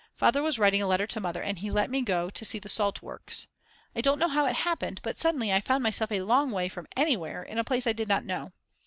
Father was writing a letter to Mother and he let me go to see the salt works; I don't know how it happened, but suddenly I found myself a long way from anywhere, in a place I did not know.